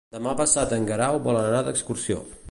Demà passat en Guerau vol anar d'excursió.